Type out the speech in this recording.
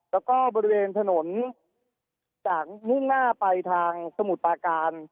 แล้วก็บริเวณถนนจากมุ่งหน้าไปทางสมุทรปาการ